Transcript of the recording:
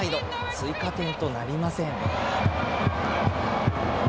追加点となりません。